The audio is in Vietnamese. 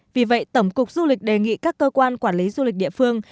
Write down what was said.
vì vậy tổng cục du lịch đề nghị các cơ quan quản lý du lịch địa phương